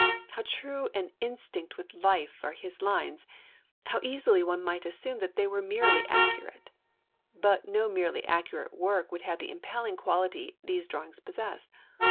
How true and instinct with life are his lines, and how easily one might assume that they were merely accurate. But no merely accurate work would have the impelling quality these drawings possess.